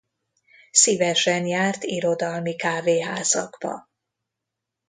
Szívesen járt irodalmi kávéházakba.